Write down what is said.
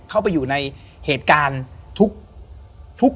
เข้าไปอยู่ในเหตุการณ์ทุก